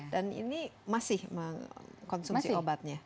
dan ini masih mengkonsumsi obatnya